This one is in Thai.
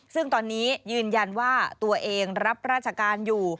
ซึ่งตอนนี้ยืนยันว่าตัวเองรับราชการอยู่